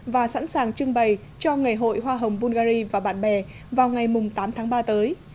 và sẵn sàng trưng bày cho ngày hội hoa hồng bulgari và bạn bè vào ngày tám tháng ba tới